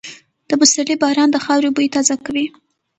د پسرلي باران د خاورې بوی تازه کوي.